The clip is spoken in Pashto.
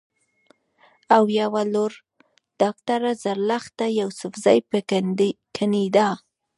او يوه لورډاکټره زرلښته يوسفزۍ پۀ کنېډا